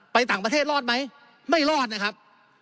ไปต่างประเทศรอดไหมไม่รอดนะครับ